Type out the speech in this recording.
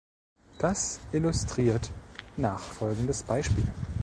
Das illustriert nachfolgendes Beispiel.